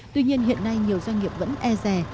tuy nhiên hiện nay nhiều doanh nghiệp vẫn e rè